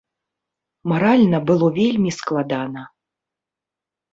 Маральна было вельмі складана.